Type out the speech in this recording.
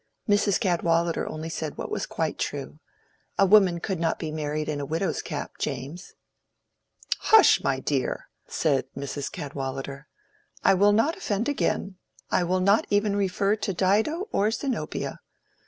Mrs. Cadwallader only said what was quite true. A woman could not be married in a widow's cap, James." "Hush, my dear!" said Mrs. Cadwallader. "I will not offend again. I will not even refer to Dido or Zenobia.